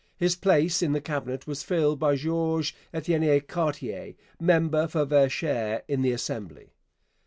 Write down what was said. His place in the Cabinet was filled by George Étienne Cartier, member for Verchères in the Assembly.